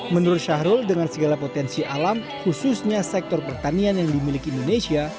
menurut syahrul dengan segala potensi alam khususnya sektor pertanian yang dimiliki indonesia